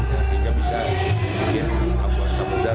sehingga bisa bikin abu abu yang semudah